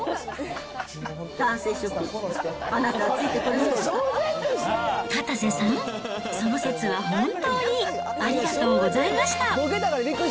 男性諸君、あなたはついてこれまかたせさん、その節は本当にありがとうございました。